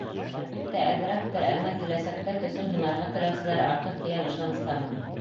Әлбиттә, әҙерәктер, әммә киләсәктә көсөн һынарға теләүселәр артыр тигән ышаныстамын.